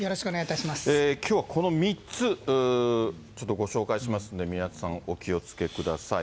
きょうはこの３つ、ちょっとご紹介しますんで、皆さん、お気をつけください。